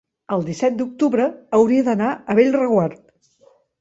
El disset d'octubre hauria d'anar a Bellreguard.